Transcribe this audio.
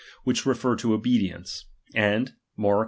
which refer to obedience ; and (Mark x.